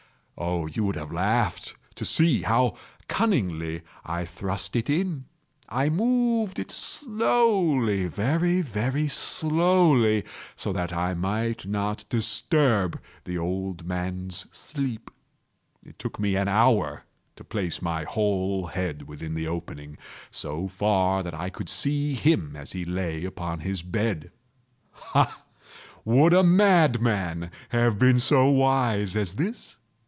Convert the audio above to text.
Oh, you would have laughed to see how cunningly I thrust it in! I moved it slowly—very, very slowly, so that I might not disturb the old man's sleep. It took me an hour to place my whole head within the opening so far that I could see him as he lay upon his bed. Ha!—would a madman have been so wise as this?